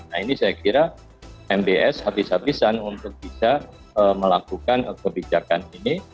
nah ini saya kira mbs habis habisan untuk bisa melakukan kebijakan ini